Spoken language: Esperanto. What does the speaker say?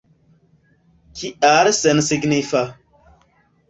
Kial sensignifa?